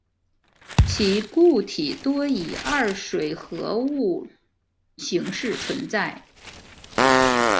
其固体多以二水合物形式存在。